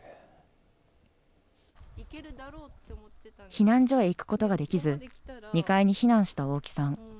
避難所へ行くことができず、２階に避難した大木さん。